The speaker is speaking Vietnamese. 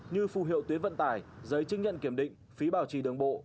như phù hiệu tuyến vận tải giấy chứng nhận kiểm định phí bảo trì đường bộ